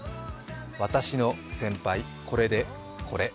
私の先輩、これでこれ。